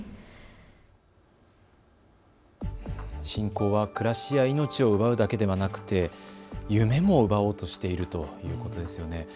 侵攻は暮らしや命を奪うだけではなくて夢も奪おうとしているということですよね。